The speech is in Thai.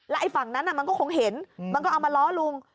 ไอ้ฝั่งนั้นมันก็คงเห็นมันก็เอามาล้อลุง